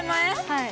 はい。